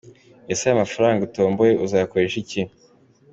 Ese aya mafaranga utomboye uzayakoresha iki?.